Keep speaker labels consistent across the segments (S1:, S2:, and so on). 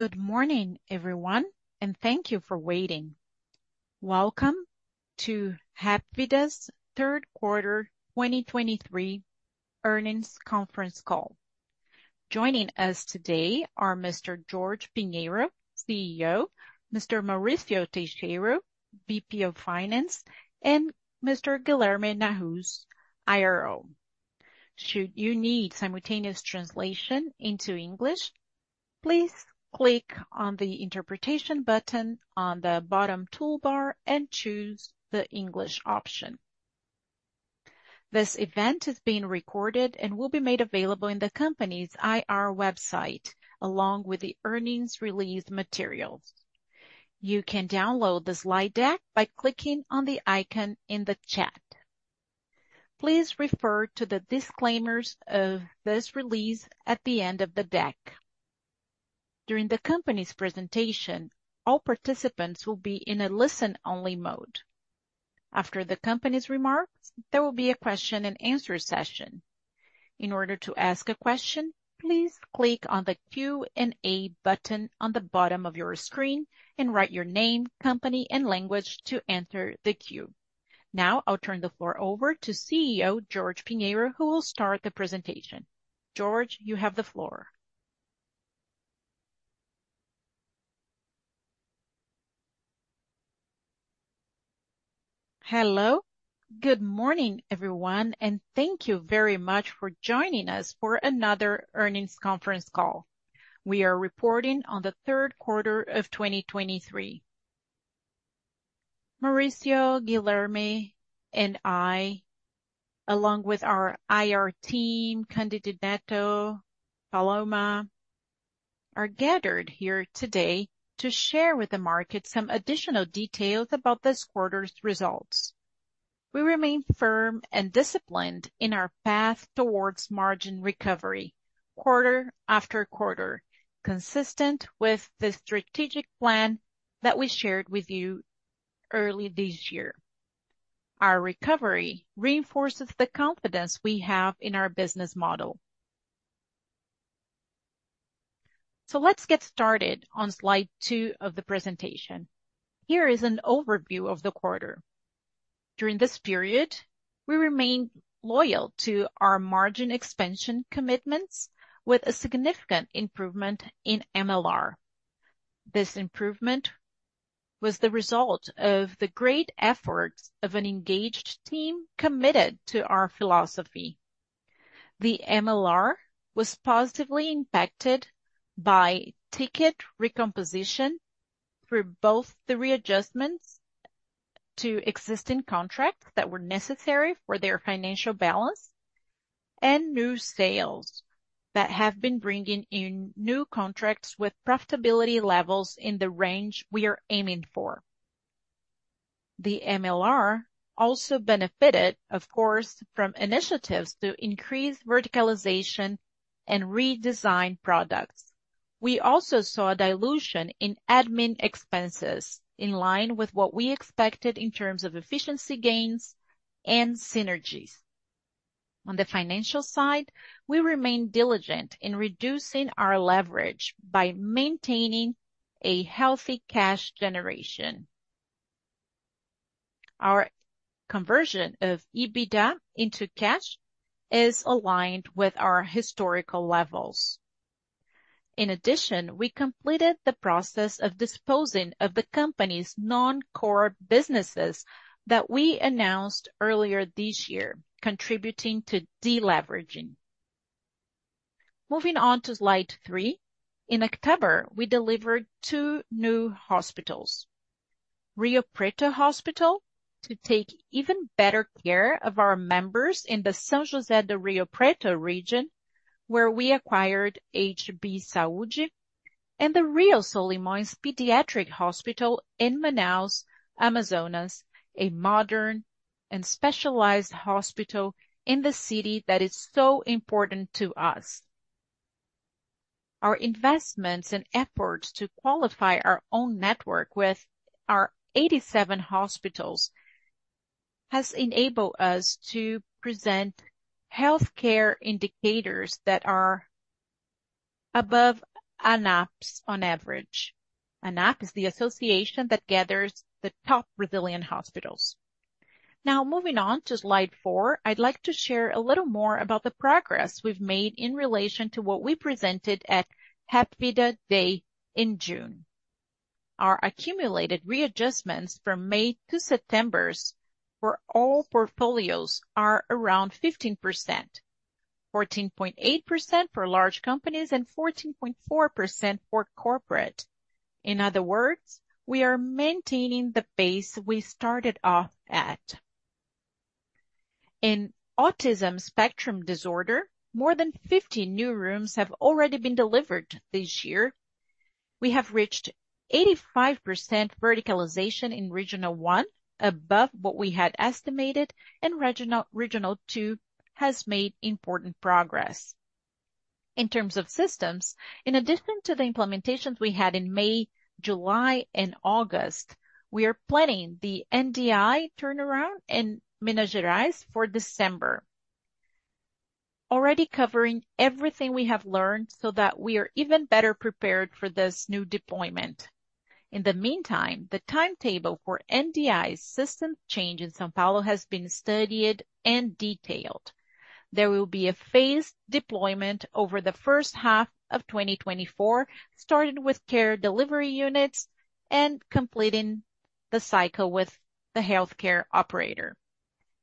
S1: Good morning, everyone, and thank you for waiting. Welcome to Hapvida's third quarter 2023 earnings conference call. Joining us today are Mr. Jorge Pinheiro, CEO, Mr. Maurício Teixeira, VP of Finance, and Mr. Guilherme Nahuz, IRO. Should you need simultaneous translation into English, please click on the interpretation button on the bottom toolbar and choose the English option. This event is being recorded and will be made available in the company's IR website, along with the earnings release materials. You can download the slide deck by clicking on the icon in the chat. Please refer to the disclaimers of this release at the end of the deck. During the company's presentation, all participants will be in a listen-only mode. After the company's remarks, there will be a question-and-answer session. In order to ask a question, please click on the Q&A button on the bottom of your screen and write your name, company, and language to enter the queue. Now, I'll turn the floor over to CEO Jorge Pinheiro, who will start the presentation. Jorge, you have the floor.
S2: Hello! Good morning, everyone, and thank you very much for joining us for another earnings conference call. We are reporting on the third quarter of 2023. Maurício, Guilherme, and I, along with our IR team, Cândido Pinheiro, Paloma, are gathered here today to share with the market some additional details about this quarter's results. We remain firm and disciplined in our path towards margin recovery, quarter after quarter, consistent with the strategic plan that we shared with you early this year. Our recovery reinforces the confidence we have in our business model. So let's get started on slide two of the presentation. Here is an overview of the quarter. During this period, we remained loyal to our margin expansion commitments with a significant improvement in MLR. This improvement was the result of the great efforts of an engaged team committed to our philosophy. The MLR was positively impacted by ticket recomposition through both the readjustments to existing contracts that were necessary for their financial balance, and new sales that have been bringing in new contracts with profitability levels in the range we are aiming for. The MLR also benefited, of course, from initiatives to increase verticalization and redesign products. We also saw a dilution in admin expenses in line with what we expected in terms of efficiency gains and synergies. On the financial side, we remain diligent in reducing our leverage by maintaining a healthy cash generation. Our conversion of EBITDA into cash is aligned with our historical levels. In addition, we completed the process of disposing of the company's non-core businesses that we announced earlier this year, contributing to deleveraging. Moving on to slide three. In October, we delivered two new hospitals, Rio Preto Hospital, to take even better care of our members in the São José do Rio Preto region, where we acquired HB Saúde, and the Rio Solimões Pediatric Hospital in Manaus, Amazonas, a modern and specialized hospital in the city that is so important to us. Our investments and efforts to qualify our own network with our 87 hospitals has enabled us to present healthcare indicators that are above Anahp, on average. Anahp is the association that gathers the top Brazilian hospitals. Now, moving on to slide four. I'd like to share a little more about the progress we've made in relation to what we presented at Hapvida Day in June. Our accumulated readjustments from May to September for all portfolios are around 15%, 14.8% for large companies, and 14.4% for corporate. In other words, we are maintaining the pace we started off at. In autism spectrum disorder, more than 50 new rooms have already been delivered this year. We have reached 85% verticalization in Regional One, above what we had estimated, and Regional, Regional Two has made important progress. In terms of systems, in addition to the implementations we had in May, July, and August, we are planning the NDI turnaround in Minas Gerais for December, already covering everything we have learned, so that we are even better prepared for this new deployment. In the meantime, the timetable for NDI's system change in São Paulo has been studied and detailed. There will be a phased deployment over the H1 of 2024, starting with care delivery units and completing the cycle with the healthcare operator.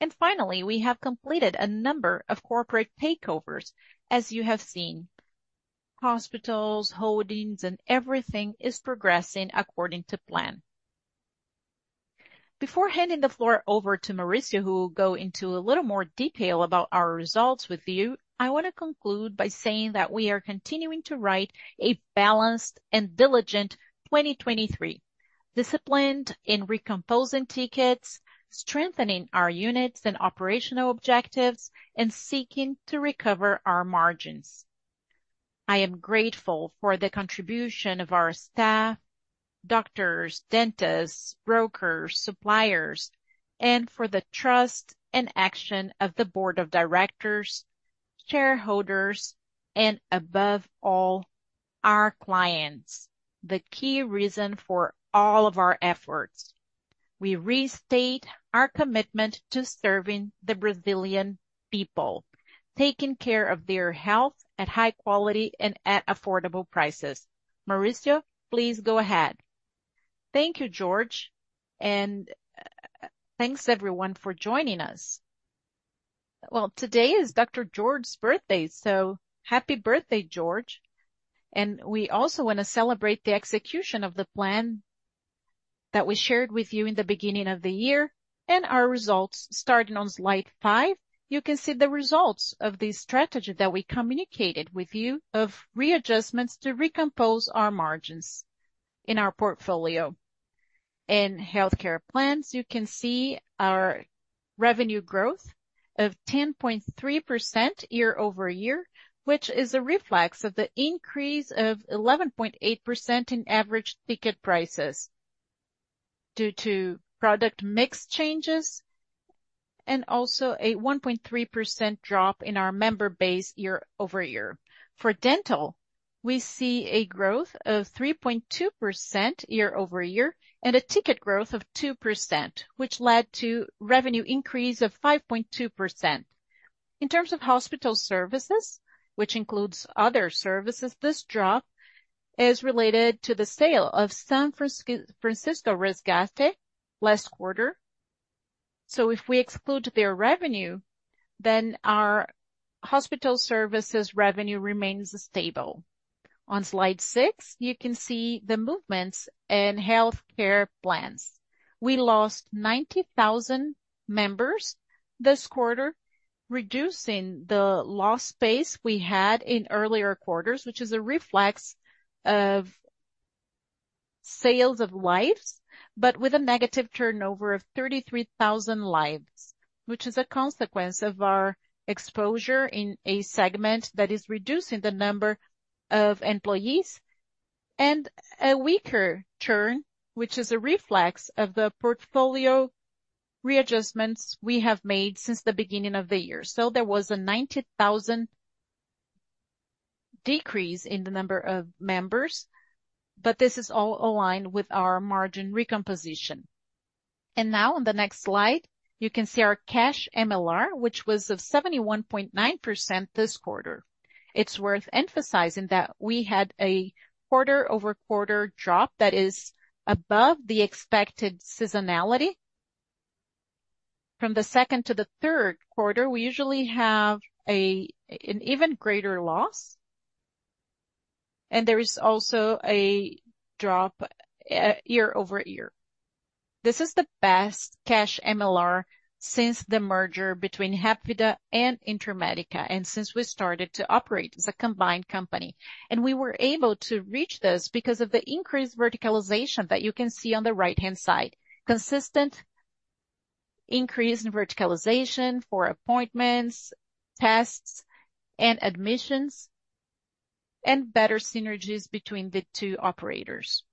S2: And finally, we have completed a number of corporate takeovers, as you have seen. Hospitals, holdings, and everything is progressing according to plan. Before handing the floor over to Maurício, who will go into a little more detail about our results with you, I wanna conclude by saying that we are continuing to write a balanced and diligent 2023. Disciplined in recomposing tickets, strengthening our units and operational objectives, and seeking to recover our margins. I am grateful for the contribution of our staff, doctors, dentists, brokers, suppliers, and for the trust and action of the board of directors, shareholders, and above all, our clients, the key reason for all of our efforts. We restate our commitment to serving the Brazilian people, taking care of their health at high quality and at affordable prices. Maurício, please go ahead.
S3: Thank you, Jorge, and thanks, everyone, for joining us. Well, today is Dr. Jorge's birthday, so happy birthday, Jorge. And we also wanna celebrate the execution of the plan that we shared with you in the beginning of the year, and our results. Starting on slide five, you can see the results of the strategy that we communicated with you of readjustments to recompose our margins in our portfolio. In healthcare plans, you can see our revenue growth of 10.3% year-over-year, which is a reflection of the increase of 11.8% in average ticket prices due to product mix changes, and also a 1.3% drop in our member base year-over-year. For dental, we see a growth of 3.2% year-over-year and a ticket growth of 2%, which led to revenue increase of 5.2%. In terms of hospital services, which includes other services, this drop is related to the sale of São Francisco Resgate last quarter. So if we exclude their revenue, then our hospital services revenue remains stable. On slide six, you can see the movements in healthcare plans. We lost 90,000 members this quarter, reducing the loss pace we had in earlier quarters, which is a reflex of sales of lives, but with a negative turnover of 33,000 lives, which is a consequence of our exposure in a segment that is reducing the number of employees, and a weaker churn, which is a reflex of the portfolio readjustments we have made since the beginning of the year. There was a 90,000 decrease in the number of members, but this is all aligned with our margin recomposition. Now on the next slide, you can see our cash MLR, which was 71.9% this quarter. It's worth emphasizing that we had a quarter-over-quarter drop that is above the expected seasonality. From the second to the third quarter, we usually have an even greater loss, and there is also a drop year-over-year. This is the best cash MLR since the merger between Hapvida and Intermédica, and since we started to operate as a combined company. And we were able to reach this because of the increased verticalization that you can see on the right-hand side. Consistent increase in verticalization for appointments, tests, and admissions, and better synergies between the two operators.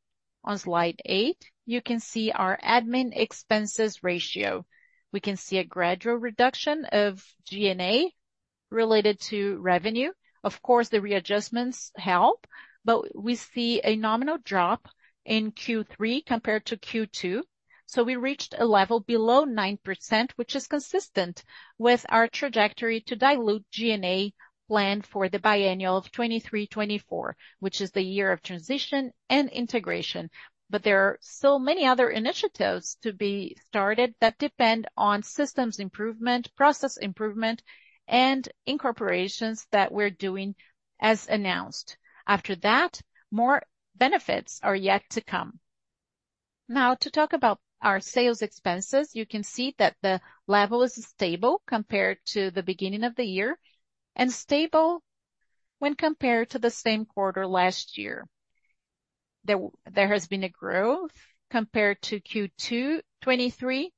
S3: On Slide eight, you can see our G&A ratio. We can see a gradual reduction of G&A related to revenue. Of course, the readjustments help, but we see a nominal drop in Q3 compared to Q2, so we reached a level below 9%, which is consistent with our trajectory to dilute G&A plan for the biennial of 2023-2024, which is the year of transition and integration. But there are still many other initiatives to be started that depend on systems improvement, process improvement, and incorporations that we're doing as announced. After that, more benefits are yet to come. Now, to talk about our sales expenses, you can see that the level is stable compared to the beginning of the year, and stable when compared to the same quarter last year. There, there has been a growth compared to Q2 2023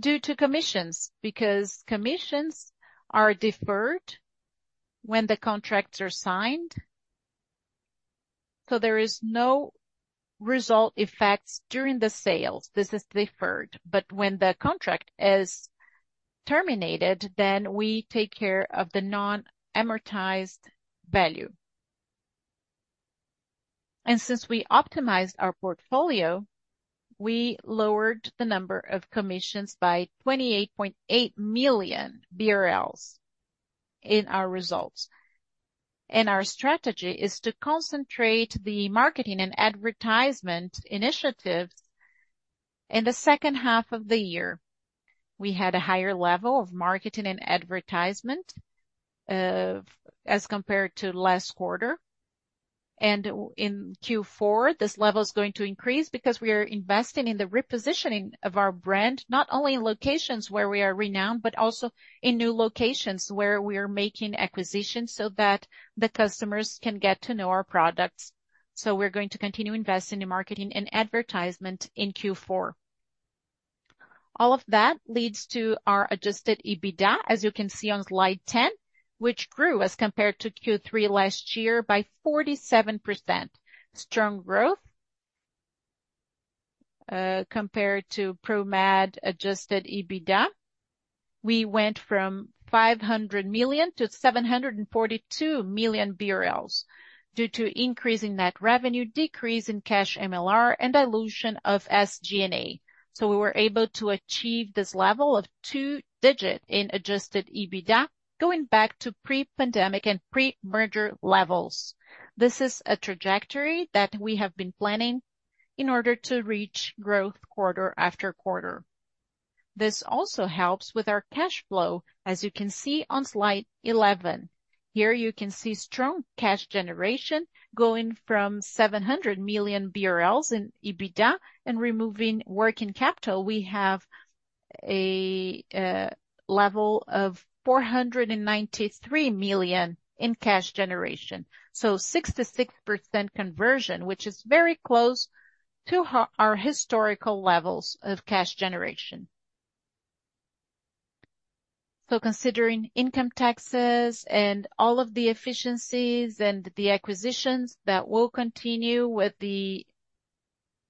S3: due to commissions, because commissions are deferred when the contracts are signed. So there is no result effects during the sales. This is deferred, but when the contract is terminated, then we take care of the non-amortized value. Since we optimized our portfolio, we lowered the number of commissions by 28.8 million BRL in our results. Our strategy is to concentrate the marketing and advertisement initiatives in the H2 of the year. We had a higher level of marketing and advertisement as compared to last quarter, and in Q4, this level is going to increase because we are investing in the repositioning of our brand, not only in locations where we are renowned, but also in new locations where we are making acquisitions, so that the customers can get to know our products. We're going to continue investing in marketing and advertisement in Q4. All of that leads to our adjusted EBITDA, as you can see on slide 10, which grew as compared to Q3 last year by 47%. Strong growth compared to Promed adjusted EBITDA. We went from 500 million BRL to 742 million BRL due to increase in net revenue, decrease in cash MLR and dilution of SG&A. So we were able to achieve this level of two-digit in adjusted EBITDA, going back to pre-pandemic and pre-merger levels. This is a trajectory that we have been planning in order to reach growth quarter after quarter. This also helps with our cash flow, as you can see on slide 11. Here you can see strong cash generation going from 700 million BRL in EBITDA, and removing working capital, we have a level of 493 million BRL in cash generation. So 66% conversion, which is very close to our historical levels of cash generation. So considering income taxes and all of the efficiencies and the acquisitions, that will continue with the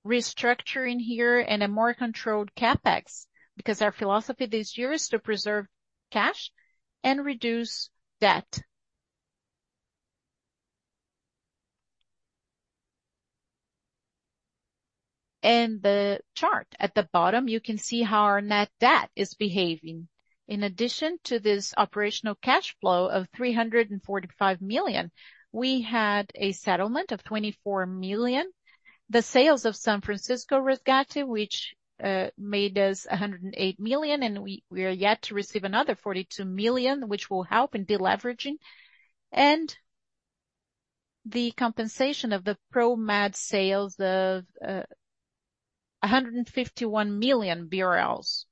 S3: restructuring here and a more controlled CapEx, because our philosophy this year is to preserve cash and reduce debt. The chart at the bottom, you can see how our net debt is behaving. In addition to this operational cash flow of 345 million, we had a settlement of 24 million. The sales of São Francisco Resgate, which made us 108 million, and we are yet to receive another 42 million, which will help in deleveraging. And the compensation of the Promed sales of 151 million BRL.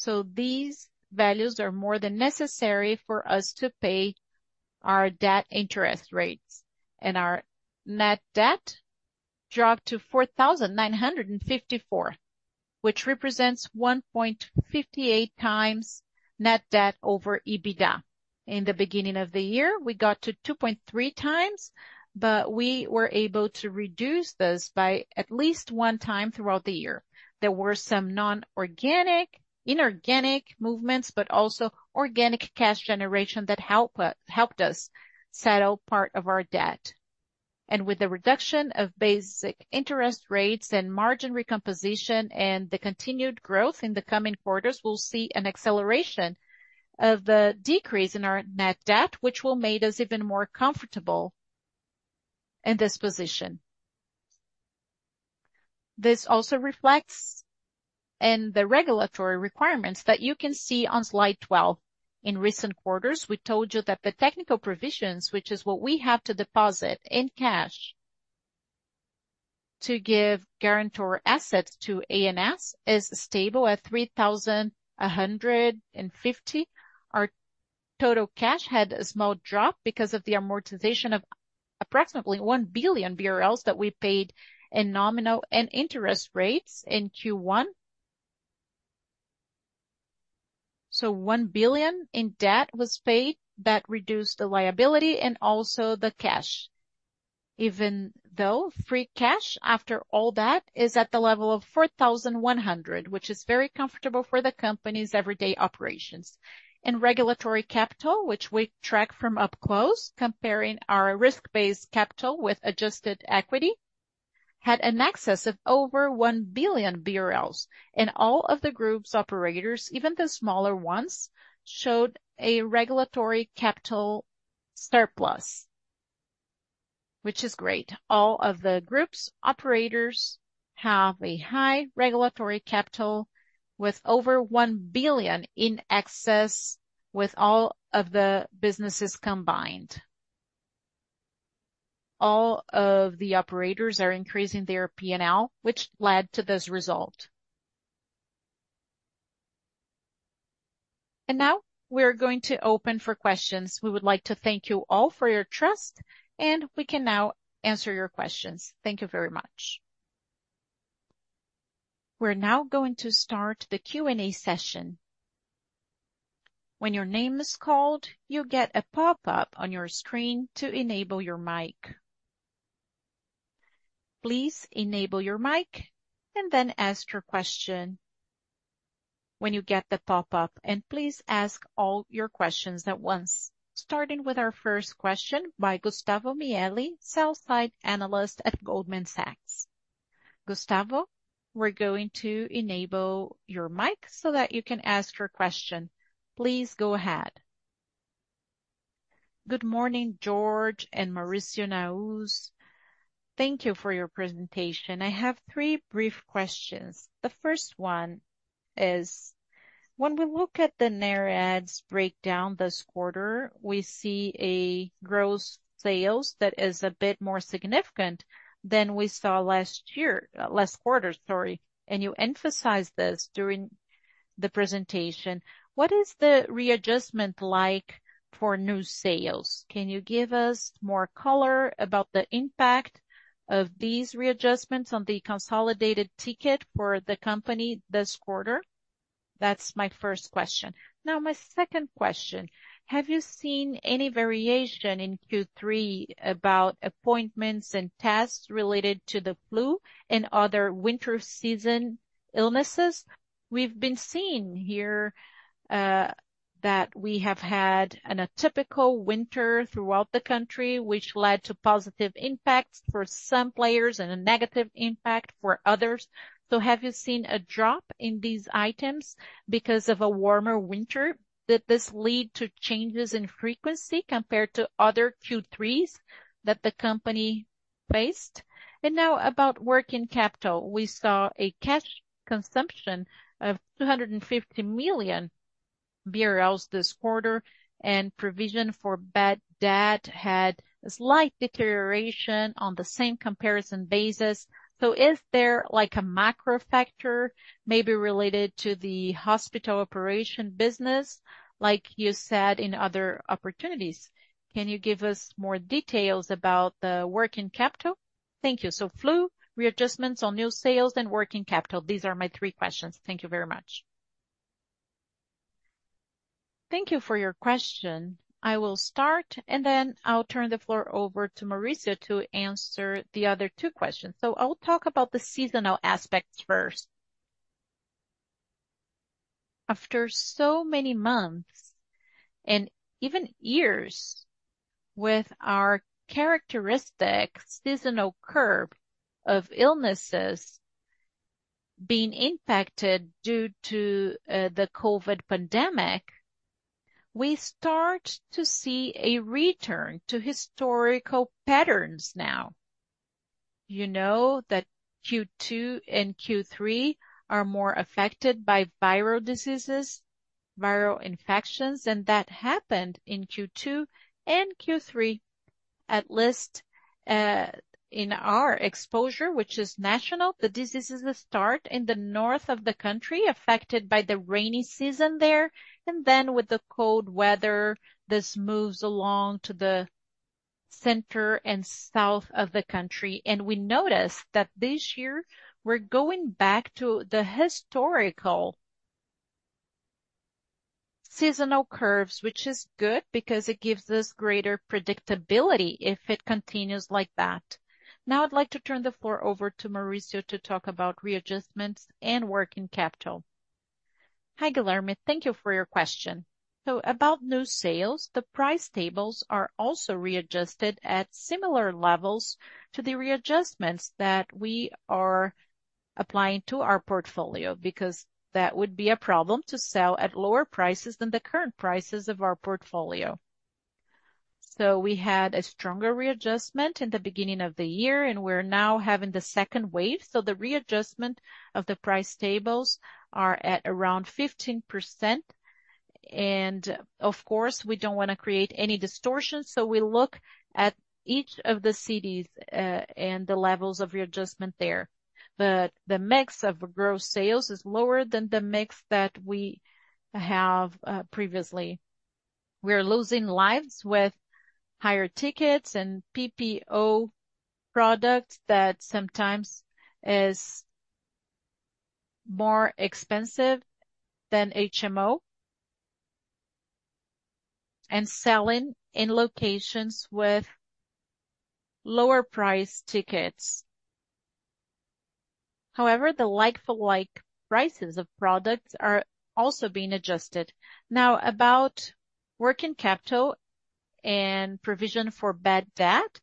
S3: So these values are more than necessary for us to pay our debt interest rates. Our net debt dropped to 4,954, which represents 1.58x net debt over EBITDA. In the beginning of the year, we got to 2.3x, but we were able to reduce this by at least 1x throughout the year. There were some non-organic, inorganic movements, but also organic cash generation that helped us settle part of our debt. And with the reduction of basic interest rates and margin recomposition and the continued growth in the coming quarters, we'll see an acceleration of the decrease in our net debt, which will make us even more comfortable in this position. This also reflects in the regulatory requirements that you can see on slide 12. In recent quarters, we told you that the technical provisions, which is what we have to deposit in cash, to give guarantor assets to ANS, is stable at 3,150. Our total cash had a small drop because of the amortization of approximately 1 billion BRL that we paid in nominal and interest rates in Q1. 1 billion in debt was paid. That reduced the liability and also the cash. Even though free cash, after all that, is at the level of 4,100, which is very comfortable for the company's everyday operations. In regulatory capital, which we track from up close, comparing our risk-based capital with adjusted equity, had an excess of over 1 billion BRL, and all of the group's operators, even the smaller ones, showed a regulatory capital surplus, which is great. All of the group's operators have a high regulatory capital with over 1 billion in excess with all of the businesses combined. All of the operators are increasing their P&L, which led to this result. Now we're going to open for questions. We would like to thank you all for your trust, and we can now answer your questions. Thank you very much.
S1: We're now going to start the Q&A session. When your name is called, you'll get a pop-up on your screen to enable your mic. Please enable your mic and then ask your question when you get the pop-up, and please ask all your questions at once. Starting with our first question by Gustavo Miele, Sell-side Analyst at Goldman Sachs. Gustavo, we're going to enable your mic so that you can ask your question. Please go ahead.
S4: Good morning, Jorge and Maurício, Nahuz. Thank you for your presentation. I have three brief questions. The first one is when we look at the narrow adds breakdown this quarter, we see a gross adds that is a bit more significant than we saw last year, last quarter, sorry, and you emphasized this during the presentation. What is the readjustment like for new sales? Can you give us more color about the impact of these readjustments on the consolidated ticket for the company this quarter? That's my first question. Now, my second question, have you seen any variation in Q3 about appointments and tests related to the flu and other winter season illnesses? We've been seeing here, that we have had an atypical winter throughout the country, which led to positive impacts for some players and a negative impact for others. So have you seen a drop in these items because of a warmer winter? Did this lead to changes in frequency compared to other Q3s that the company faced? And now, about working capital, we saw a cash consumption of 250 million BRL this quarter, and provision for bad debt had a slight deterioration on the same comparison basis. So is there like, a macro factor maybe related to the hospital operation business, like you said, in other opportunities? Can you give us more details about the working capital? Thank you. So flu, readjustments on new sales and working capital. These are my three questions. Thank you very much.
S2: Thank you for your question. I will start, and then I'll turn the floor over to Maurício to answer the other two questions. So I'll talk about the seasonal aspects first. After so many months and even years, with our characteristic seasonal curve of illnesses being impacted due to the COVID pandemic, we start to see a return to historical patterns now. You know that Q2 and Q3 are more affected by viral diseases, viral infections, and that happened in Q2 and Q3, at least in our exposure, which is national. The diseases start in the north of the country, affected by the rainy season there, and then with the cold weather, this moves along to the center and south of the country. We noticed that this year, we're going back to the historical seasonal curves, which is good because it gives us greater predictability if it continues like that. Now, I'd like to turn the floor over to Maurício to talk about readjustments and working capital.
S3: Hi, Gustavo. Thank you for your question. So about new sales, the price tables are also readjusted at similar levels to the readjustments that we are applying to our portfolio, because that would be a problem to sell at lower prices than the current prices of our portfolio. So we had a stronger readjustment in the beginning of the year, and we're now having the second wave. So the readjustment of the price tables are at around 15%. And of course, we don't wanna create any distortion, so we look at each of the cities, and the levels of readjustment there. But the mix of gross sales is lower than the mix that we have, previously. We're losing lives with higher tickets and PPO products that sometimes is more expensive than HMO. And selling in locations with lower price tickets. However, the like-for-like prices of products are also being adjusted. Now, about working capital and provision for bad debt,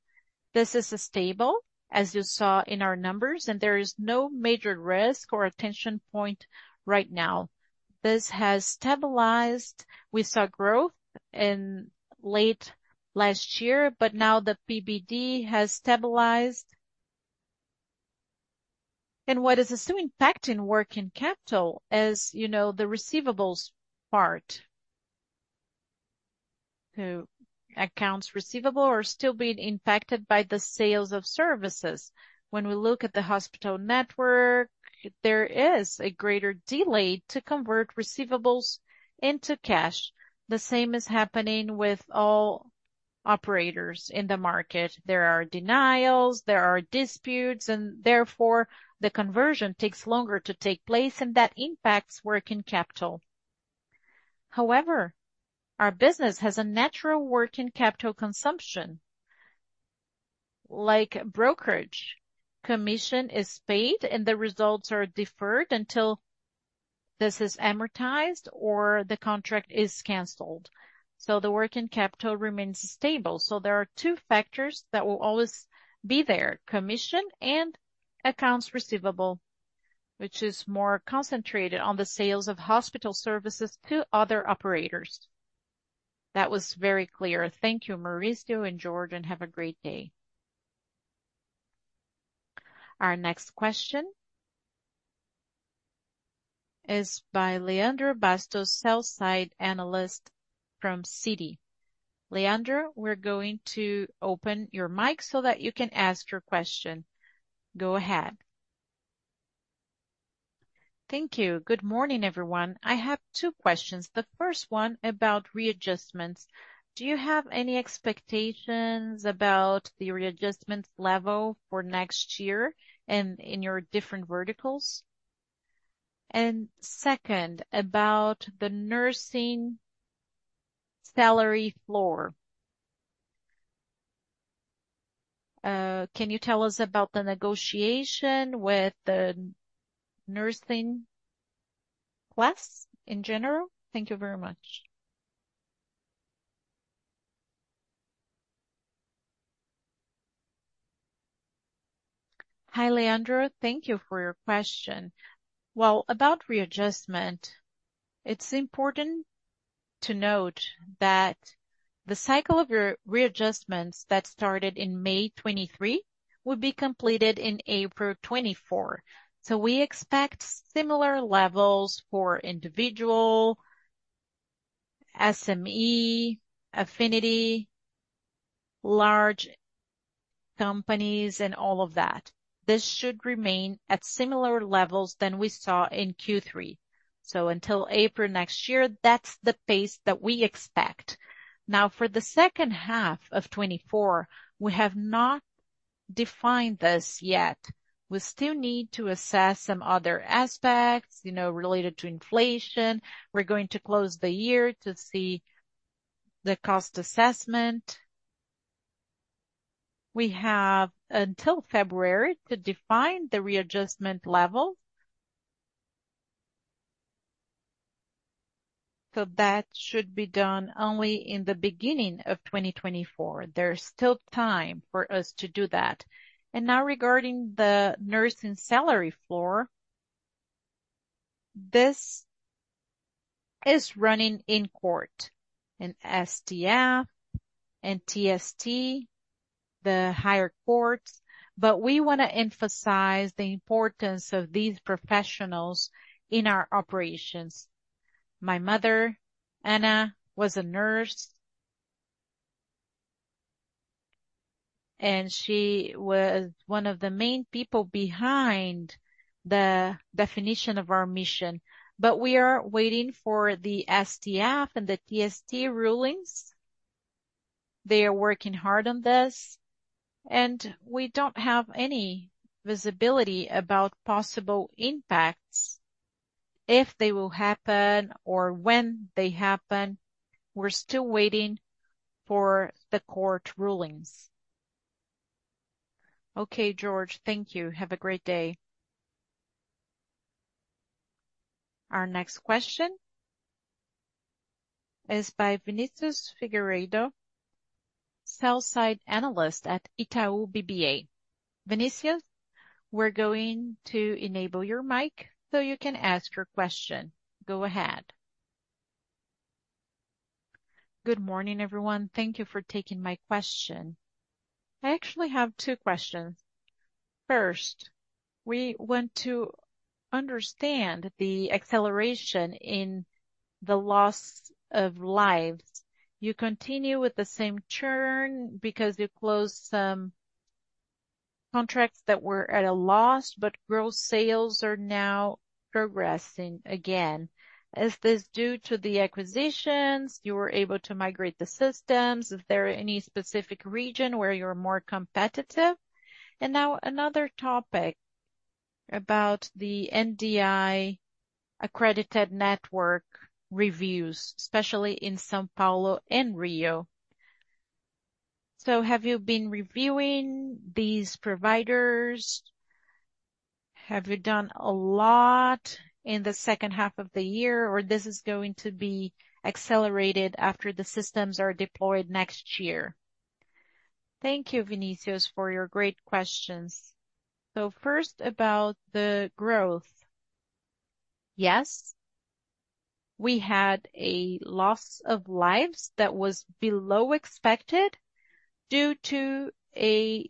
S3: this is stable, as you saw in our numbers, and there is no major risk or attention point right now. This has stabilized. We saw growth in late last year, but now the PBD has stabilized. And what is still impacting working capital, as you know, the receivables part. So accounts receivable are still being impacted by the sales of services. When we look at the hospital network, there is a greater delay to convert receivables into cash. The same is happening with all operators in the market. There are denials, there are disputes, and therefore, the conversion takes longer to take place, and that impacts working capital. However, our business has a natural working capital consumption, like brokerage. Commission is paid, and the results are deferred until this is amortized or the contract is canceled, so the working capital remains stable. So there are two factors that will always be there: commission and accounts receivable, which is more concentrated on the sales of hospital services to other operators.
S4: That was very clear. Thank you, Maurício and Jorge, and have a great day.
S1: Our next question is by Leandro Bastos, sell-side analyst from Citi. Leandro, we're going to open your mic so that you can ask your question. Go ahead.
S5: Thank you. Good morning, everyone. I have two questions. The first one about readjustments, do you have any expectations about the readjustment level for next year and in your different verticals? And second, about the nursing salary floor, can you tell us about the negotiation with the nursing class in general? Thank you very much.
S2: Hi, Leandro. Thank you for your question. Well, about readjustment, it's important to note that the cycle of re-readjustments that started in May 2023 will be completed in April 2024. So we expect similar levels for individual, SME, affinity, large companies, and all of that. This should remain at similar levels than we saw in Q3. So until April next year, that's the pace that we expect. Now, for the H2 of 2024, we have not defined this yet. We still need to assess some other aspects, you know, related to inflation. We're going to close the year to see the cost assessment. We have until February to define the readjustment level. So that should be done only in the beginning of 2024. There's still time for us to do that. And now, regarding the nursing salary floor, this is running in court, in STF and TST, the higher courts. But we want to emphasize the importance of these professionals in our operations. My mother, Ana, was a nurse, and she was one of the main people behind the definition of our mission. But we are waiting for the STF and the TST rulings. They are working hard on this, and we don't have any visibility about possible impacts, if they will happen or when they happen. We're still waiting for the court rulings.
S5: Okay, Jorge, thank you. Have a great day.
S1: Our next question is by Vinicius Figueiredo, sell-side analyst at Itaú BBA. Vinicius, we're going to enable your mic so you can ask your question. Go ahead.
S6: Good morning, everyone. Thank you for taking my question. I actually have two questions. First, we want to understand the acceleration in the loss of lives. You continue with the same churn because you closed some contracts that were at a loss, but gross sales are now progressing again. Is this due to the acquisitions, you were able to migrate the systems? Is there any specific region where you're more competitive? And now another topic about the NDI accredited network reviews, especially in São Paulo and Rio. So have you been reviewing these providers? Have you done a lot in the H2 of the year, or this is going to be accelerated after the systems are deployed next year?
S2: Thank you, Vinicius, for your great questions. So first, about the growth. Yes, we had a loss of lives that was below expected due to a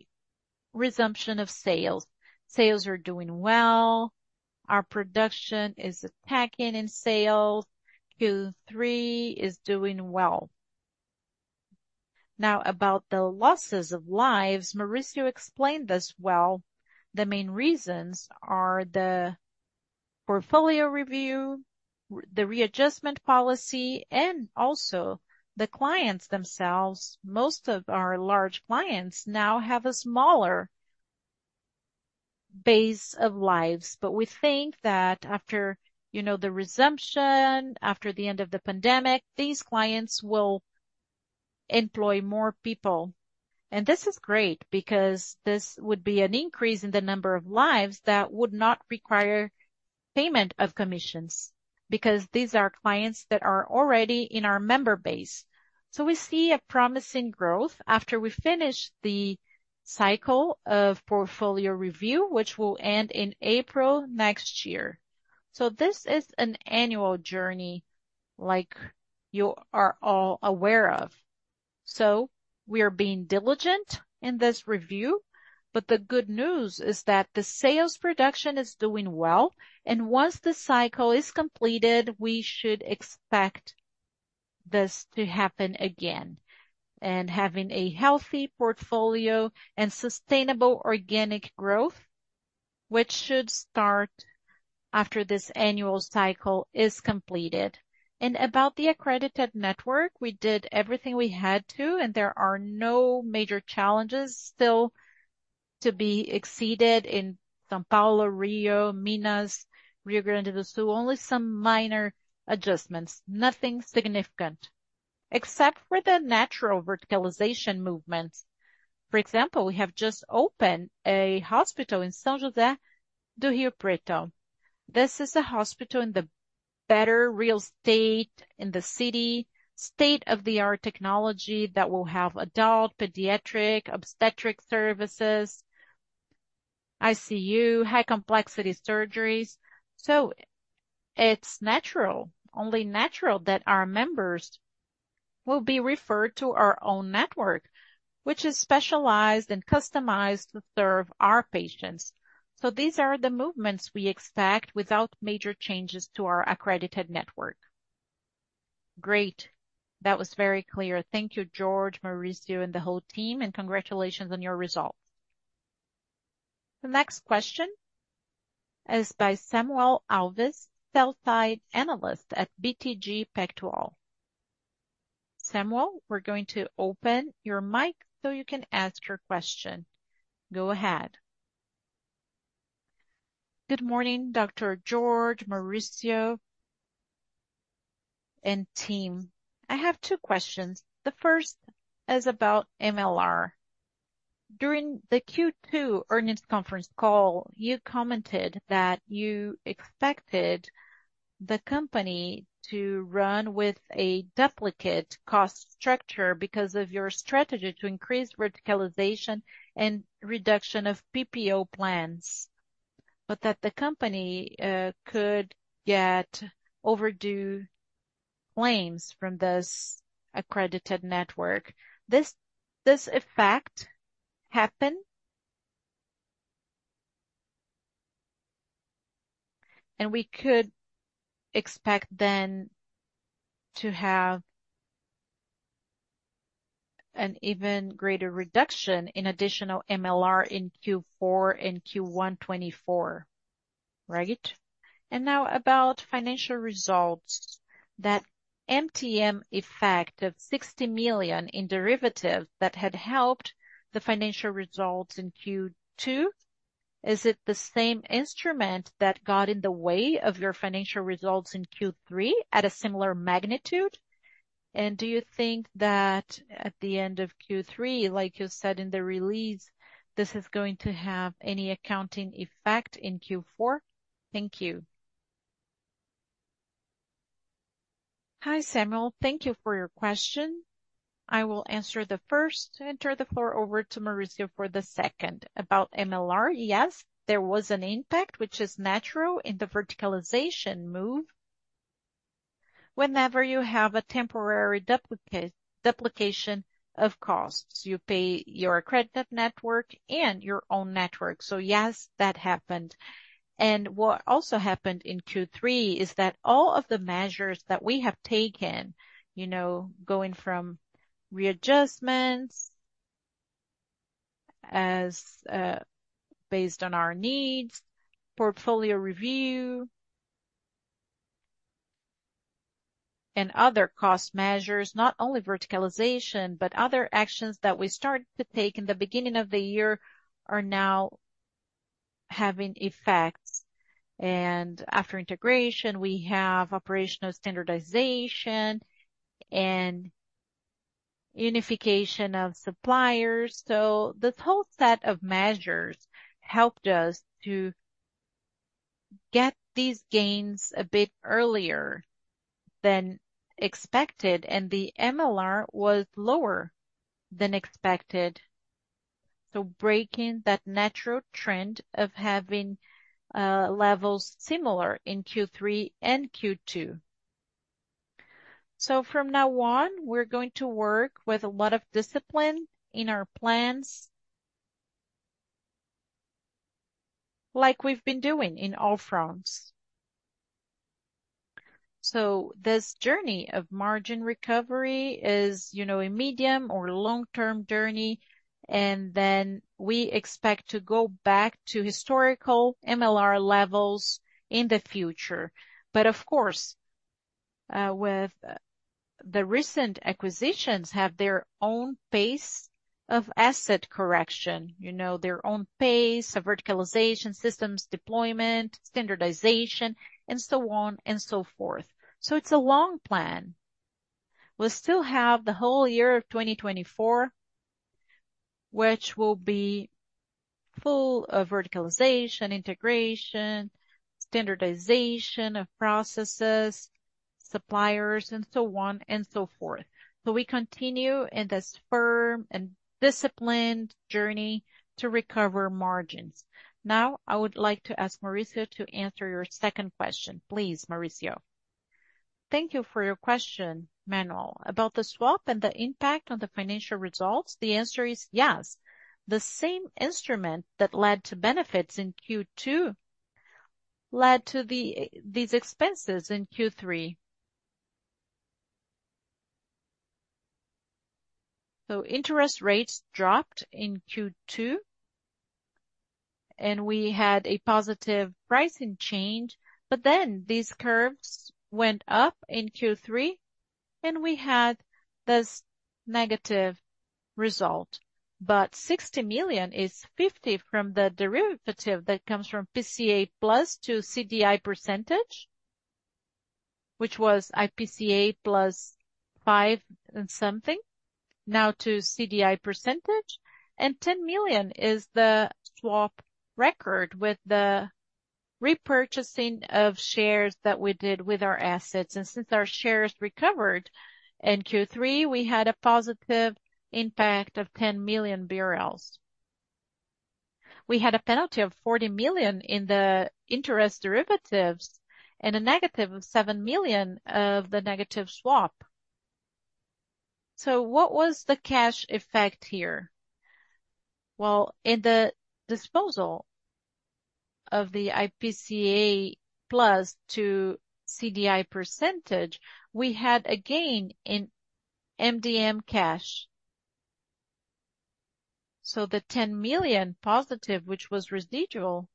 S2: resumption of sales. Sales are doing well. Our production is attacking in sales. Q3 is doing well. Now, about the losses of lives, Maurício explained this well. The main reasons are the portfolio review, the readjustment policy, and also the clients themselves. Most of our large clients now have a smaller base of lives. But we think that after, you know, the resumption, after the end of the pandemic, these clients will employ more people. And this is great, because this would be an increase in the number of lives that would not require payment of commissions, because these are clients that are already in our member base. So we see a promising growth after we finish the cycle of portfolio review, which will end in April next year. So this is an annual journey, like you are all aware of. So we are being diligent in this review, but the good news is that the sales production is doing well, and once the cycle is completed, we should expect this to happen again. Having a healthy portfolio and sustainable organic growth, which should start after this annual cycle is completed. About the accredited network, we did everything we had to, and there are no major challenges still to be exceeded in São Paulo, Rio, Minas, Rio Grande do Sul. Only some minor adjustments, nothing significant, except for the natural verticalization movements. For example, we have just opened a hospital in São José do Rio Preto. This is a hospital in the better real estate in the city, state-of-the-art technology that will have adult, pediatric, obstetric services, ICU, high complexity surgeries. So it's natural, only natural, that our members will be referred to our own network, which is specialized and customized to serve our patients. So these are the movements we expect without major changes to our accredited network.
S6: Great. That was very clear. Thank you, Jorge, Maurício, and the whole team, and congratulations on your results.
S1: The next question is by Samuel Alves, sell-side analyst at BTG Pactual. Samuel, we're going to open your mic so you can ask your question. Go ahead.
S7: Good morning, Dr. Jorge, Maurício, and team. I have two questions. The first is about MLR. During the Q2 earnings conference call, you commented that you expected the company to run with a duplicate cost structure because of your strategy to increase verticalization and reduction of PPO plans, but that the company could get overdue claims from this accredited network. This effect happened? And we could expect then to have an even greater reduction in additional MLR in Q4 and Q1 2024, right? Now about financial results, that MTM effect of 60 million in derivatives that had helped the financial results in Q2, is it the same instrument that got in the way of your financial results in Q3 at a similar magnitude? And do you think that at the end of Q3, like you said in the release, this is going to have any accounting effect in Q4? Thank you.
S2: Hi, Samuel. Thank you for your question. I will answer the first, and turn the floor over to Maurício for the second. About MLR, yes, there was an impact, which is natural in the verticalization move. Whenever you have a temporary duplication of costs, you pay your accredited network and your own network. So yes, that happened. What also happened in Q3 is that all of the measures that we have taken, you know, going from readjustments as based on our needs, portfolio review, and other cost measures, not only verticalization, but other actions that we started to take in the beginning of the year, are now having effects. After integration, we have operational standardization and unification of suppliers. This whole set of measures helped us to get these gains a bit earlier than expected, and the MLR was lower than expected. Breaking that natural trend of having levels similar in Q3 and Q2. From now on, we're going to work with a lot of discipline in our plans, like we've been doing in all fronts. So this journey of margin recovery is, you know, a medium or long-term journey, and then we expect to go back to historical MLR levels in the future. But of course, with the recent acquisitions, have their own pace of asset correction, you know, their own pace of verticalization, systems deployment, standardization, and so on and so forth. So it's a long plan. We'll still have the whole year of 2024, which will be full of verticalization, integration, standardization of processes, suppliers, and so on and so forth. So we continue in this firm and disciplined journey to recover margins. Now, I would like to ask Maurício to answer your second question. Please, Maurício.
S3: Thank you for your question, Samuel. About the swap and the impact on the financial results, the answer is yes. The same instrument that led to benefits in Q2 led to these expenses in Q3. So interest rates dropped in Q2, and we had a positive pricing change, but then these curves went up in Q3, and we had this negative result. But 60 million is 50 million from the derivative that comes from IPCA plus to CDI percentage, which was IPCA plus five and something, now to CDI percentage, and 10 million is the swap record with the repurchasing of shares that we did with our assets. And since our shares recovered in Q3, we had a positive impact of 10 million BRL. We had a penalty of 40 million in the interest derivatives and a negative of 7 million of the negative swap. So what was the cash effect here? Well, in the disposal of the IPCA plus to CDI percentage, we had a gain in MTM cash. So the 10 million positive, which was residual,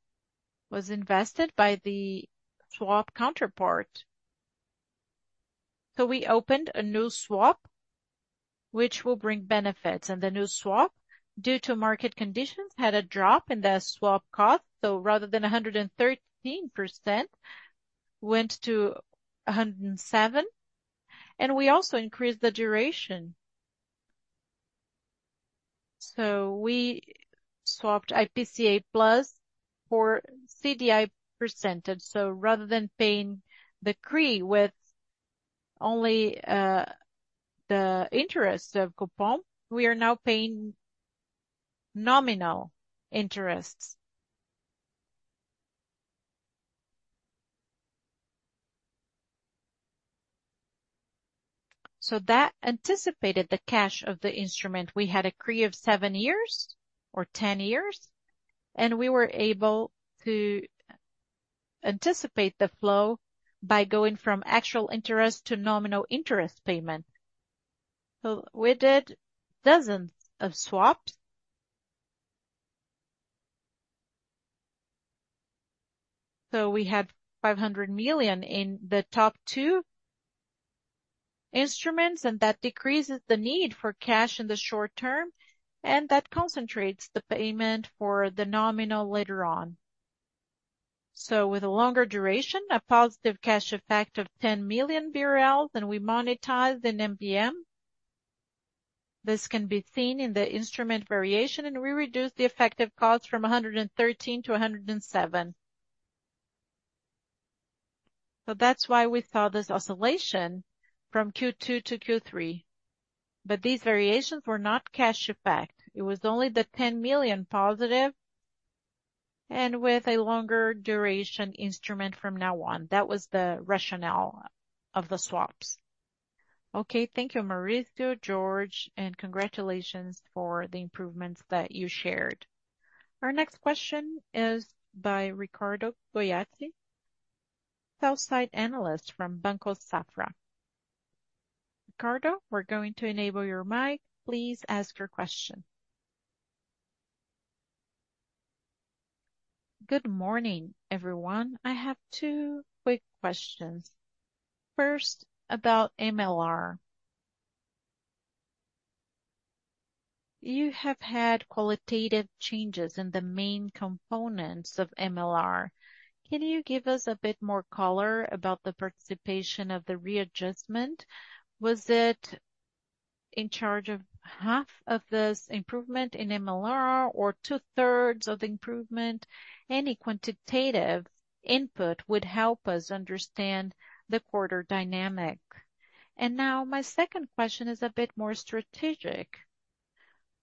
S3: was invested by the swap counterpart. So we opened a new swap, which will bring benefits, and the new swap, due to market conditions, had a drop in the swap cost, so rather than 113%, went to 107%, and we also increased the duration. So we swapped IPCA plus for CDI percentage. So rather than paying the CRI with only the interest of coupon, we are now paying nominal interests. So that anticipated the cash of the instrument. We had a CRI of seven years or 10 years, and we were able to anticipate the flow by going from actual interest to nominal interest payment. So we did dozens of swaps. So we had 500 million in the top two instruments, and that decreases the need for cash in the short term, and that concentrates the payment for the nominal later on. So with a longer duration, a positive cash effect of 10 million BRL, then we monetize the MTM. This can be seen in the instrument variation, and we reduce the effective cost from 113 to 107. So that's why we saw this oscillation from Q2 to Q3. But these variations were not cash effect. It was only the 10 million positive and with a longer duration instrument from now on. That was the rationale of the swaps.
S7: Okay. Thank you, Maurício, Jorge, and congratulations for the improvements that you shared.
S1: Our next question is by Ricardo Boiati, sell-side analyst from Banco Safra. Ricardo, we're going to enable your mic. Please ask your question.
S8: Good morning, everyone. I have two quick questions. First, about MLR. You have had qualitative changes in the main components of MLR. Can you give us a bit more color about the participation of the readjustment? Was it in charge of half of this improvement in MLR or two-thirds of the improvement? Any quantitative input would help us understand the quarter dynamic. And now, my second question is a bit more strategic: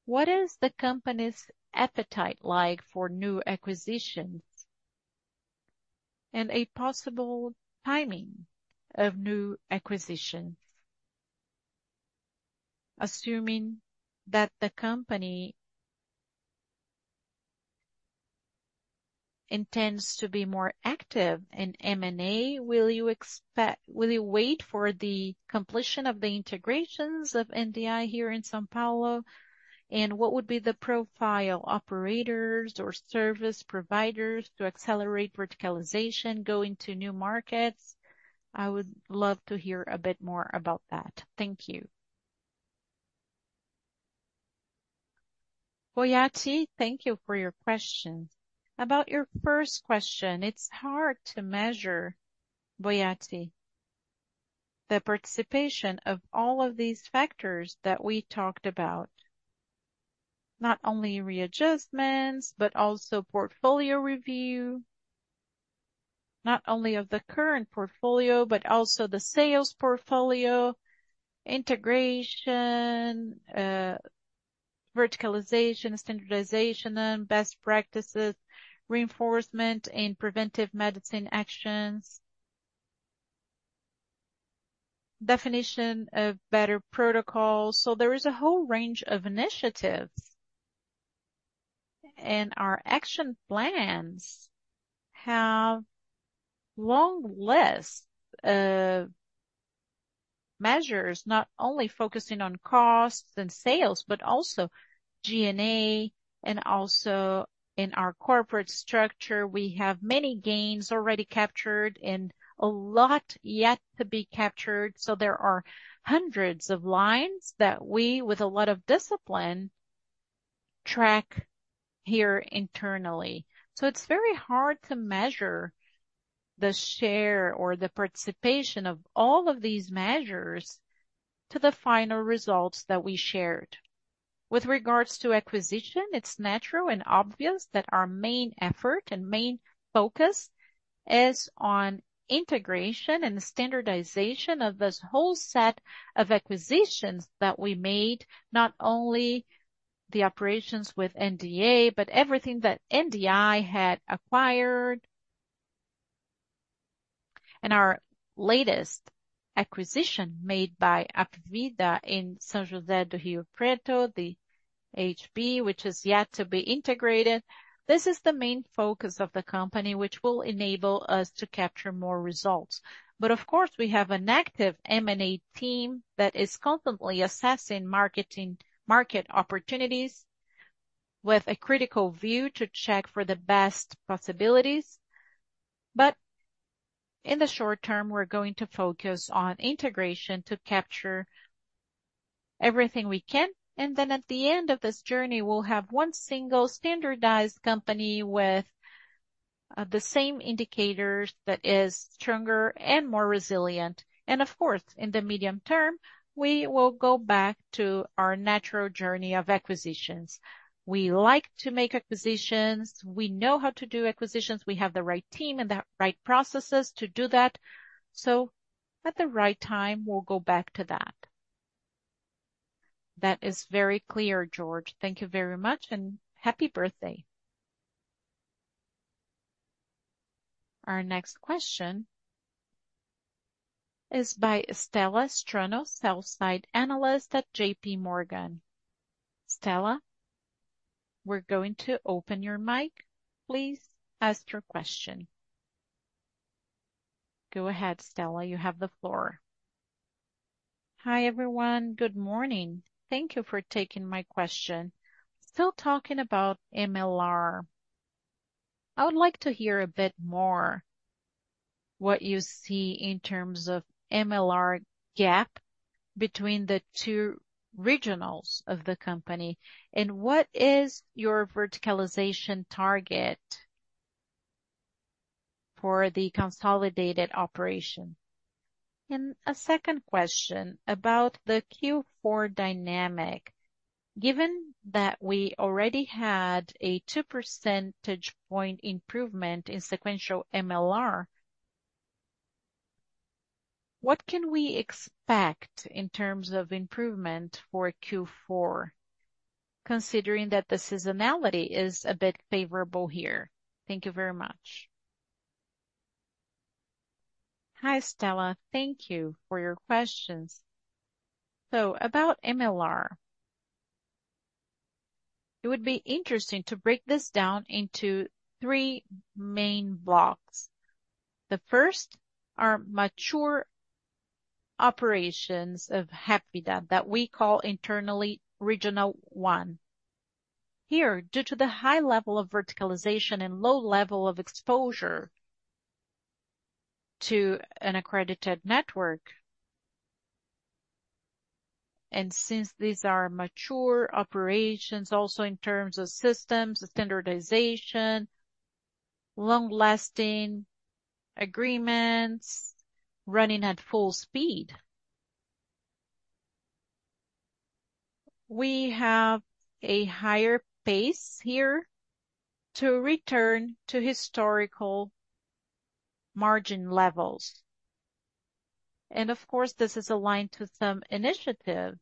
S8: What is the company's appetite like for new acquisitions, and a possible timing of new acquisitions, assuming that the company intends to be more active in M&A, will you wait for the completion of the integrations of NDI here in São Paulo? And what would be the profile, operators or service providers to accelerate verticalization, go into new markets? I would love to hear a bit more about that. Thank you.
S2: Boiati, thank you for your question. About your first question, it's hard to measure, Boiati, the participation of all of these factors that we talked about. Not only readjustments, but also portfolio review, not only of the current portfolio, but also the sales portfolio, integration, verticalization, standardization, and best practices, reinforcement in preventive medicine actions, definition of better protocols. So there is a whole range of initiatives, and our action plans have long lists of measures, not only focusing on costs and sales, but also G&A. And also in our corporate structure, we have many gains already captured and a lot yet to be captured. So there are hundreds of lines that we, with a lot of discipline, track here internally. So it's very hard to measure the share or the participation of all of these measures to the final results that we shared. With regards to acquisition, it's natural and obvious that our main effort and main focus is on integration and standardization of this whole set of acquisitions that we made, not only the operations with NDI, but everything that NDI had acquired. And our latest acquisition made by Hapvida in São José do Rio Preto, the HB, which is yet to be integrated. This is the main focus of the company, which will enable us to capture more results. But of course, we have an active M&A team that is constantly assessing marketing, market opportunities with a critical view to check for the best possibilities. But in the short term, we're going to focus on integration to capture everything we can, and then at the end of this journey, we'll have one single standardized company with the same indicators that is stronger and more resilient. Of course, in the medium term, we will go back to our natural journey of acquisitions. We like to make acquisitions. We know how to do acquisitions. We have the right team and the right processes to do that. So at the right time, we'll go back to that.
S8: That is very clear, Jorge. Thank you very much, and happy birthday.
S1: Our next question is by Estela Strano, sell-side analyst at JPMorgan. Estela, we're going to open your mic. Please ask your question. Go ahead, Estela. You have the floor.
S9: Hi, everyone. Good morning. Thank you for taking my question. Still talking about MLR, I would like to hear a bit more what you see in terms of MLR gap between the two regionals of the company, and what is your verticalization target for the consolidated operation? And a second question about the Q4 dynamic. Given that we already had a two percentage point improvement in sequential MLR, what can we expect in terms of improvement for Q4, considering that the seasonality is a bit favorable here? Thank you very much.
S2: Hi, Estela. Thank you for your questions. So about MLR, it would be interesting to break this down into three main blocks. The first are mature operations of Hapvida that we call internally Regional One. Here, due to the high level of verticalization and low level of exposure to an accredited network, and since these are mature operations, also in terms of systems, standardization, long-lasting agreements, running at full speed. We have a higher pace here to return to historical margin levels. And of course, this is aligned to some initiatives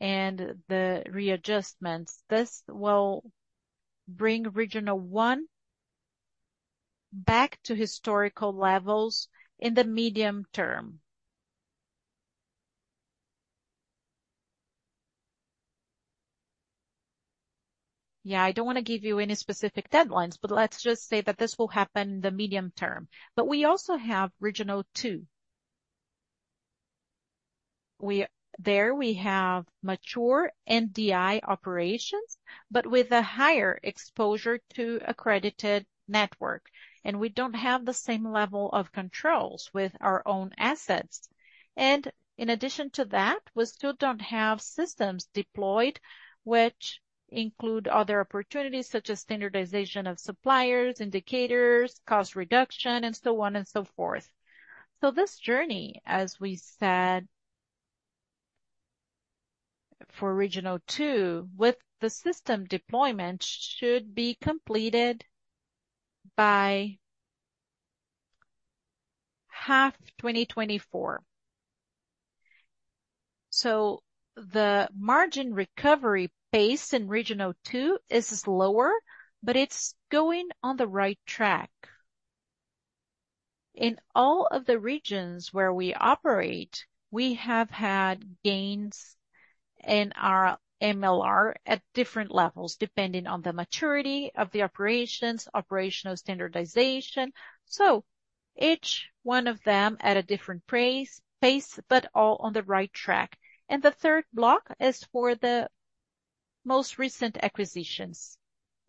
S2: and the readjustments. This will bring Regional One back to historical levels in the medium term. Yeah, I don't wanna give you any specific deadlines, but let's just say that this will happen in the medium term. But we also have Regional Two. There we have mature NDI operations, but with a higher exposure to accredited network, and we don't have the same level of controls with our own assets. And in addition to that, we still don't have systems deployed, which include other opportunities, such as standardization of suppliers, indicators, cost reduction, and so on and so forth. So this journey, as we said, for Regional Two, with the system deployment, should be completed by half 2024. So the margin recovery pace in Regional Two is lower, but it's going on the right track. In all of the regions where we operate, we have had gains in our MLR at different levels, depending on the maturity of the operations, operational standardization. So each one of them at a different pace, but all on the right track. The third block is for the most recent acquisitions.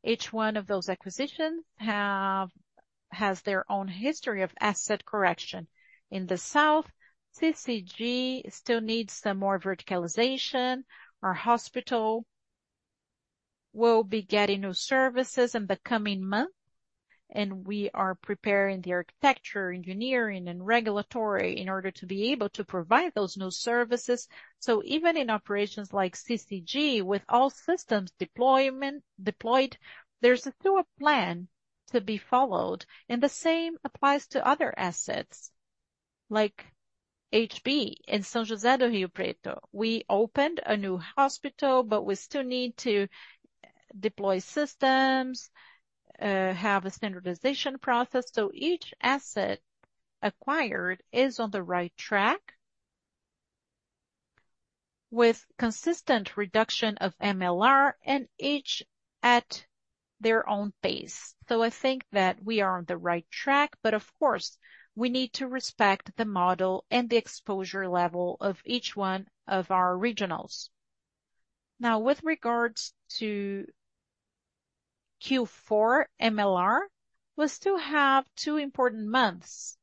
S2: Each one of those acquisitions has their own history of asset correction. In the South, CCG still needs some more verticalization. Our hospital will be getting new services in the coming month, and we are preparing the architecture, engineering, and regulatory in order to be able to provide those new services. So even in operations like CCG, with all systems deployed, there's still a plan to be followed, and the same applies to other assets like HB in São José do Rio Preto. We opened a new hospital, but we still need to deploy systems, have a standardization process. So each asset acquired is on the right track with consistent reduction of MLR and each at their own pace. So I think that we are on the right track, but of course, we need to respect the model and the exposure level of each one of our regionals. Now, with regards to Q4 MLR, we still have two important months,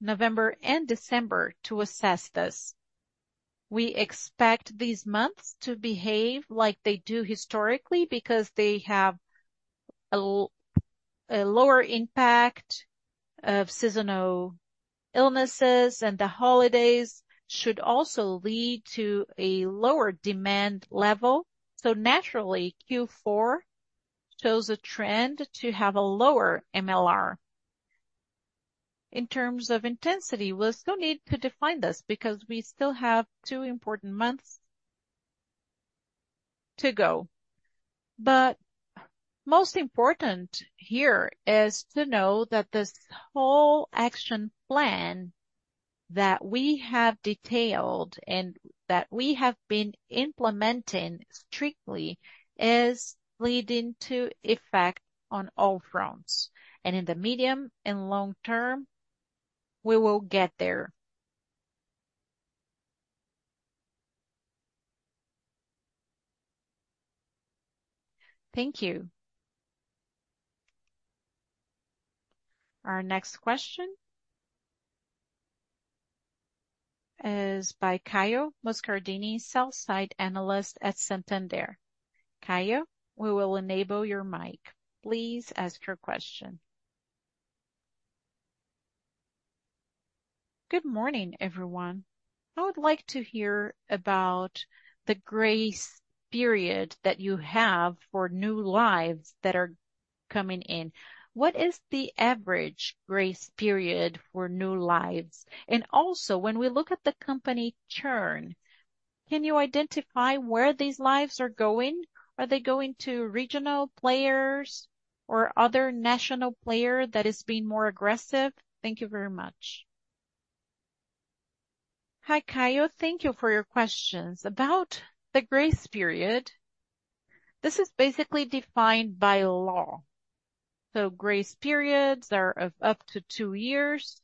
S2: November and December, to assess this. We expect these months to behave like they do historically because they have a lower impact of seasonal illnesses, and the holidays should also lead to a lower demand level. So naturally, Q4 shows a trend to have a lower MLR. In terms of intensity, we'll still need to define this because we still have two important months to go. But most important here is to know that this whole action plan that we have detailed and that we have been implementing strictly, is leading to effect on all fronts. And in the medium and long term, we will get there.
S9: Thank you.
S1: Our next question is by Caio Moscardini, sell-side analyst at Santander. Caio, we will enable your mic. Please ask your question.
S10: Good morning, everyone. I would like to hear about the grace period that you have for new lives that are coming in. What is the average grace period for new lives? And also, when we look at the company churn, can you identify where these lives are going? Are they going to regional players or other national player that is being more aggressive? Thank you very much.
S2: Hi, Caio. Thank you for your questions. About the grace period, this is basically defined by law. So grace periods are of up to two years,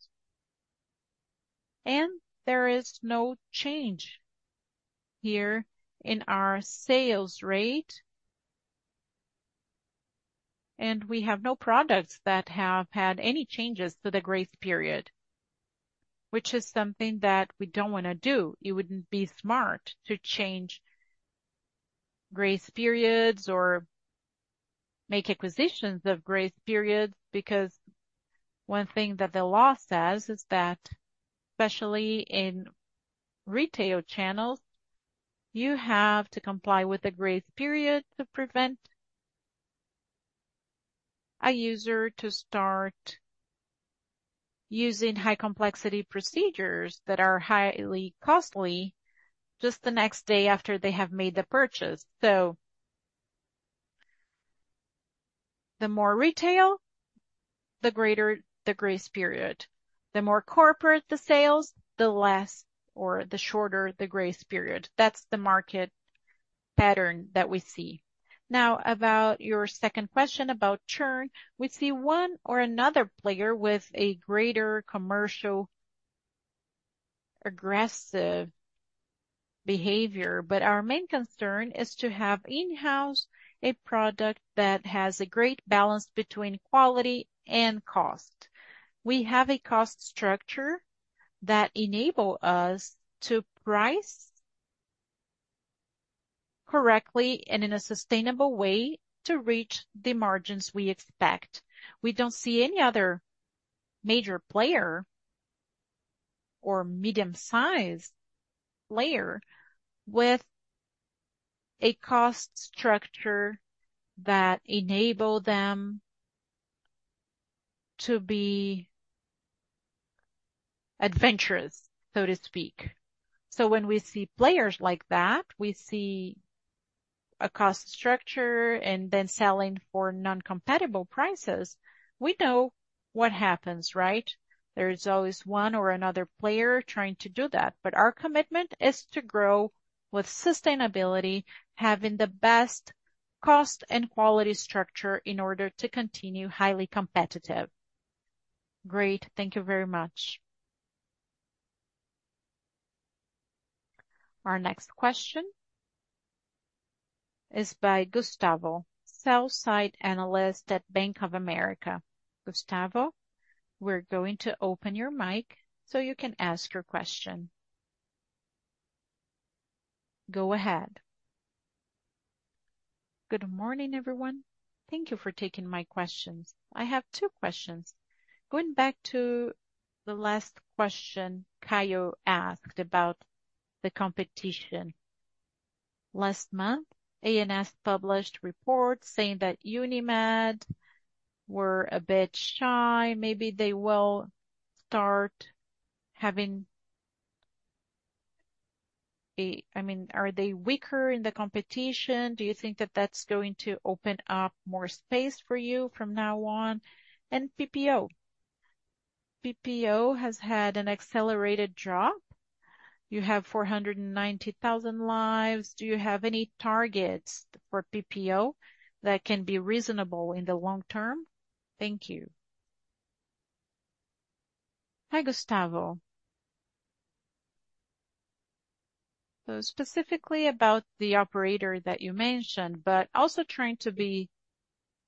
S2: and there is no change here in our sales rate. And we have no products that have had any changes to the grace period, which is something that we don't wanna do. It wouldn't be smart to change grace periods or make acquisitions of grace periods, because one thing that the law says is that, especially in retail channels, you have to comply with the grace period to prevent a user to start using high-complexity procedures that are highly costly just the next day after they have made the purchase. So the more retail, the greater the grace period. The more corporate the sales, the less or the shorter the grace period. That's the market pattern that we see. Now, about your second question about churn, we see one or another player with a greater commercially aggressive behavior, but our main concern is to have in-house a product that has a great balance between quality and cost. We have a cost structure that enable us to price correctly and in a sustainable way to reach the margins we expect. We don't see any other major player or medium-sized player with a cost structure that enable them to be adventurous, so to speak. So when we see players like that, we see a cost structure and then selling for non-compatible prices. We know what happens, right? There is always one or another player trying to do that. But our commitment is to grow with sustainability, having the best cost and quality structure in order to continue highly competitive.
S10: Great. Thank you very much.
S1: Our next question is by Gustavo, sell-side analyst at Bank of America. Gustavo, we're going to open your mic so you can ask your question. Go ahead.
S11: Good morning, everyone. Thank you for taking my questions. I have two questions. Going back to the last question Caio asked about the competition. Last month, ANS published reports saying that Unimed were a bit shy. Maybe they will start having I mean, are they weaker in the competition? Do you think that that's going to open up more space for you from now on? And PPO. PPO has had an accelerated drop. You have 490,000 lives. Do you have any targets for PPO that can be reasonable in the long term? Thank you.
S2: Hi, Gustavo. So specifically about the operator that you mentioned, but also trying to be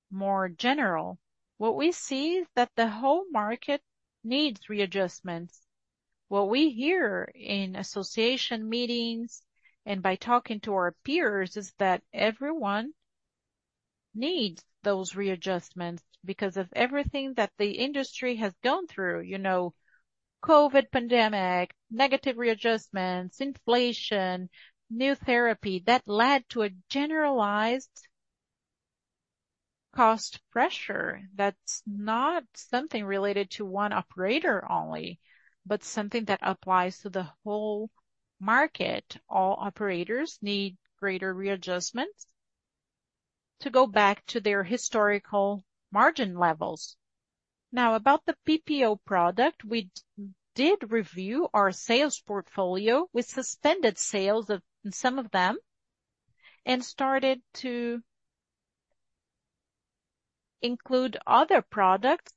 S2: more general, what we see is that the whole market needs readjustments. What we hear in association meetings and by talking to our peers is that everyone needs those readjustments because of everything that the industry has gone through. You know, COVID pandemic, negative readjustments, inflation, new therapy, that led to a generalized cost pressure. That's not something related to one operator only, but something that applies to the whole market. All operators need greater readjustments to go back to their historical margin levels. Now, about the PPO product, we did review our sales portfolio. We suspended sales of some of them and started to include other products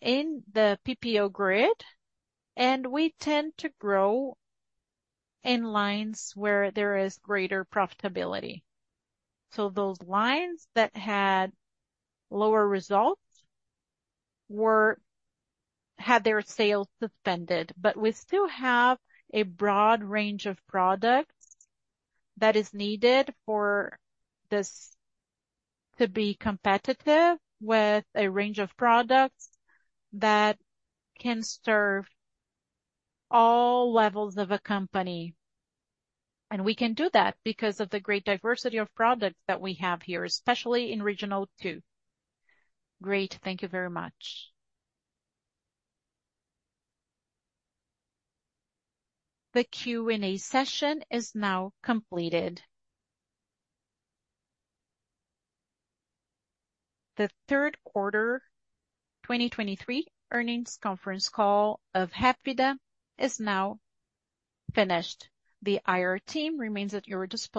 S2: in the PPO grid, and we tend to grow in lines where there is greater profitability. So those lines that had lower results had their sales suspended. But we still have a broad range of products that is needed for this to be competitive, with a range of products that can serve all levels of a company. And we can do that because of the great diversity of products that we have here, especially in Regional Two.
S11: Great. Thank you very much.
S1: The Q&A session is now completed. The third quarter 2023 earnings conference call of Hapvida is now finished. The IR team remains at your disposal.